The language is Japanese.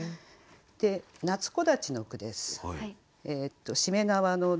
「夏木立」の句です。